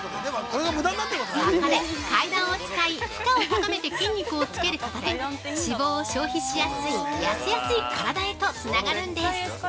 そこで、階段を使い、負荷を高めて筋肉をつけることで脂肪を消費しやすい、痩せやすい体へとつながるんです。